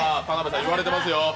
田辺さん、いわれてますよ。